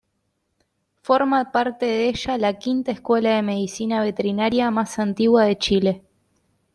Forma parte de ella la quinta Escuela de Medicina Veterinaria más antigua de Chile.